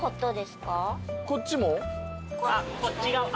こっちも？